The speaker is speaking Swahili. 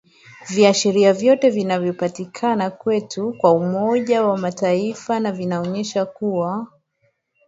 Viashiria vyote vinavyopatikana kwetu katika umoja wa Mataifa na vinaonyesha kuwa